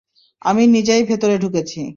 আমি নিজেই ভেতরে ঢুকেছি।